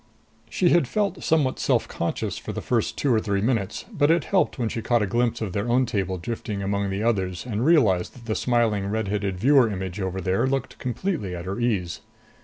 13 She had felt somewhat self conscious for the first two or three minutes. But it helped when she caught a glimpse of their own table drifting by among the others and realized that the smiling red headed viewer image over there looked completely at her ease.